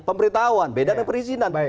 pemberitahuan beda dengan perizinan